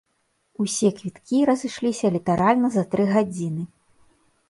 Усе квіткі разышліся літаральна за тры гадзіны.